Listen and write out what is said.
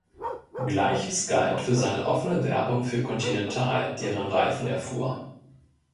Gleiches galt für seine offene Werbung für Continental, deren Reifen er fuhr.